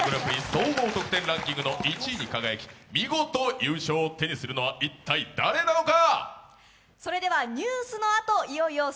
総合得点ランキングの１位に輝き、見事優勝を手にするのは一体、誰なのか！